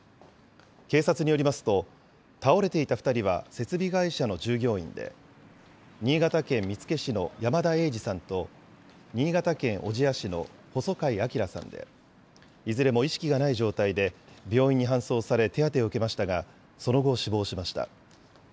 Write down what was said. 警察によりますと、倒れていた２人は設備会社の従業員で、新潟県見附市の山田栄二さんと、新潟県小千谷市の細貝彰さんで、いずれも意識がない状態で病院に搬送され、手当てを受けましたがその後、死亡しました。